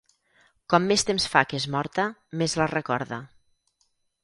Com més temps fa que és morta, més la recorda.